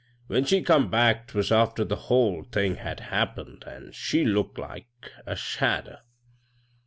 A^hen she come back 'twas after the whole liing had happened, an' she looked like a ihadder.